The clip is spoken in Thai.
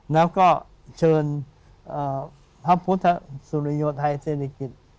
แล้วก็เชิญพระพุทธสุริโยไทยเศรษฐกิจ